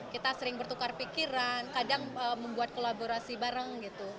kita sering bertukar pikiran kadang membuat kolaborasi bareng gitu